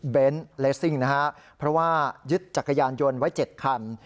เบนส์เลสซิงนะฮะเพราะว่ายึดจักรยานยนต์ไว้เจ็ดคัน